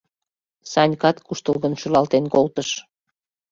Санькат куштылгын шӱлалтен колтыш.